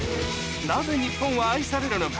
なぜ日本は愛されるのか？